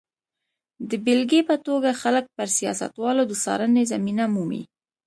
د بېلګې په توګه خلک پر سیاستوالو د څارنې زمینه مومي.